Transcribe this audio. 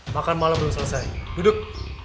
makan malam belum selesai duduk